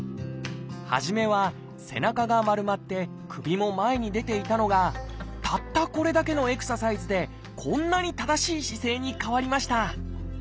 初めは背中が丸まって首も前に出ていたのがたったこれだけのエクササイズでこんなに正しい姿勢に変わりました。